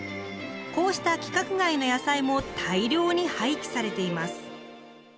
こうした規格外の野菜も大量に廃棄されています。